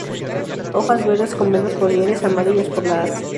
Hojas verdes con venas foliares amarillas por la haz.